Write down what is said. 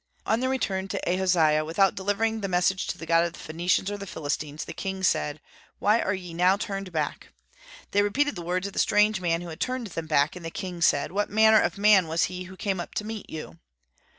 On their return to Ahaziah, without delivering their message to the god of the Phoenicians or Philistines, the king said: "Why are ye now turned back?" They repeated the words of the strange man who had turned them back; and the king said: "What manner of man was he who came up to meet you?"